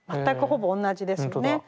全くほぼ同じですよね。